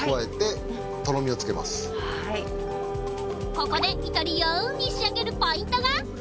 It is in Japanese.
ここでイタリアンに仕上げるポイントが！